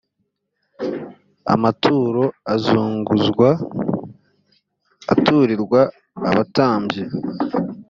amaturo azunguzwa aturirwa abatambyi .